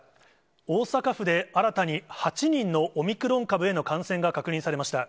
大阪府で新たに８人のオミクロン株への感染が確認されました。